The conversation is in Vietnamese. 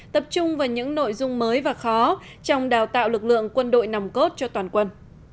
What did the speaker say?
tập trung vào những nội dung mới và khó trong đào tạo lực lượng quân đội nòng cốt cho toàn quân